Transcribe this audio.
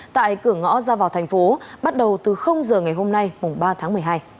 tại cửa ngõ ra vào thành phố bắt đầu từ giờ ngày hôm nay mùng ba tháng một mươi hai